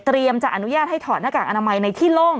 จะอนุญาตให้ถอดหน้ากากอนามัยในที่โล่ง